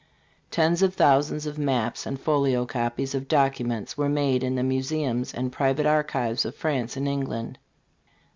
Tens of thousands of maps and folio copies of documents were made in the museums and public archives of France and England.